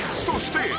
［そして］